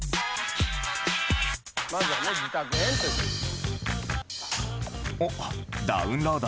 まずはね自宅編ということで。